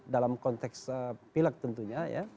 dalam konteks pilek tentunya